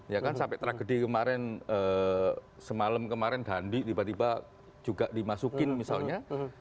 ya kan sampai tragedi kemarin semalam kemarin dandi tiba tiba juga dimasukin misalnya